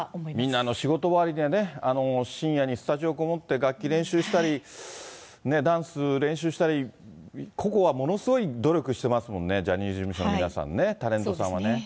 みんな仕事終わりにはね、深夜にスタジオ籠もって楽器練習したり、ダンス練習したり、個々はものすごい努力してますもんね、ジャニーズ事務所の皆さんね、タレントさんはね。